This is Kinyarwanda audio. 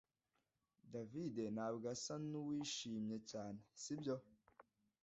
David ntabwo asa nuwishimye cyane sibyo